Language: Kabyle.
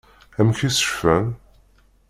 Amek i s-cfan?